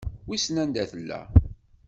Wissen anda tella.